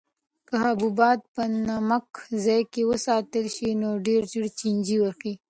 که حبوبات په نمناک ځای کې وساتل شي نو ډېر ژر چینجي وهي.